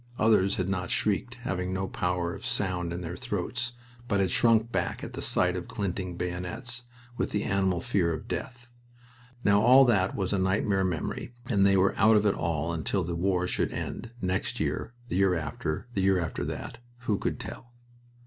Others had not shrieked, having no power of sound in their throats, but had shrunk back at the sight of glinting bayonets, with an animal fear of death. Now, all that was a nightmare memory, and they were out of it all until the war should end, next year, the year after, the year after that who could tell?